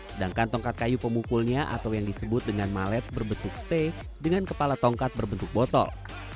sedangkan tongkat kayu pemukulnya atau yang disebut dengan malet berbentuk t dengan kepala tongkat berbentuk botol